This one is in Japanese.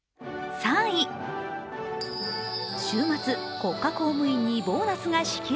週末、国家公務員にボーナスが支給。